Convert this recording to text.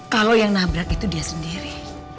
kalau yang nabrak itu dia sendiri